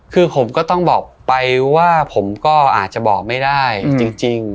คือผมก็ต้องบอกไปว่าผมก็อาจจะบอกไม่ได้จริง